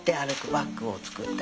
バッグを作ったり。